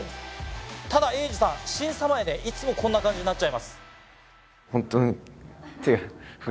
ただエイジさん審査前いつもこんな感じになっちゃいます。